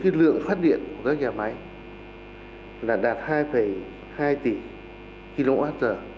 cái lượng phát điện của các nhà máy là đạt hai hai tỷ kwh